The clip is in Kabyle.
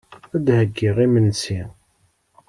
Ad d-heyyiɣ imensi.